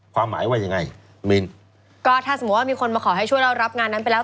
ความหมายว่ายังไงมินก็ถ้าสมมุติว่ามีคนมาขอให้ช่วยเรารับงานนั้นไปแล้ว